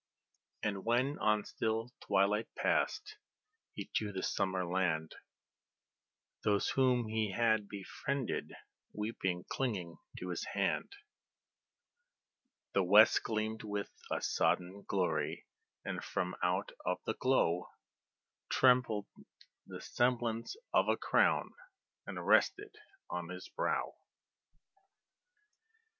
And when on a still twilight passed he to the summer land, Those whom he had befriended, weeping, clinging to his hand, The west gleamed with a sudden glory, and from out the glow Trembled the semblance of a crown, and rested on his brow.